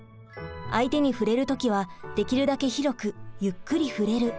相手に触れる時はできるだけ広くゆっくり触れる。